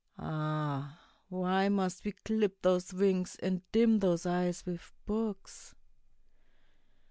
Ah! why must we clip those wings and dim those eyes with books?